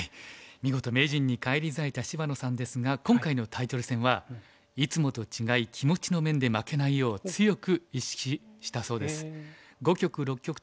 見事名人に返り咲いた芝野さんですが今回のタイトル戦はいつもと違い気持ちの面で負けないよう強く意識したそうです。